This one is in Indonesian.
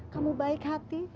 kamu baik hati